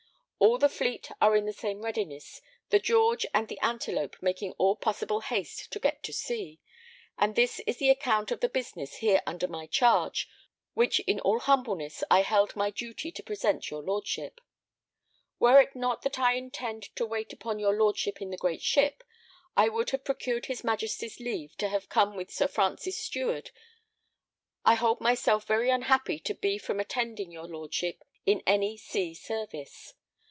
All the fleet are in the same readiness, the George and the Antelope making all possible haste to get to sea, and this is the account of the business here under my charge, which in all humbleness I held my duty to present your lordship. Were it not that I intend to wait upon your lordship in the great ship, I would have procured his Majesty's leave to have come with Sir Francis Steward. I hold myself very unhappy to be from attending your lordship in any sea service.